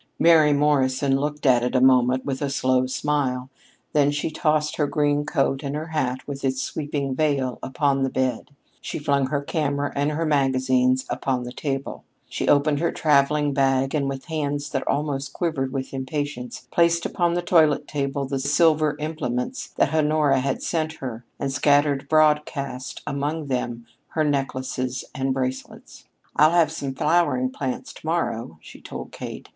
Mary Morrison looked at it a moment with a slow smile. Then she tossed her green coat and her hat with its sweeping veil upon the bed. She flung her camera and her magazines upon the table. She opened her traveling bag, and, with hands that almost quivered with impatience, placed upon the toilet table the silver implements that Honora had sent her and scattered broadcast among them her necklaces and bracelets. "I'll have some flowering plants to morrow," she told Kate.